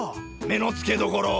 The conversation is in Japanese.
目の付けどころ！